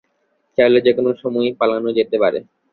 চাইলে যেকোনো সময়েই পালানো যেতে পারে।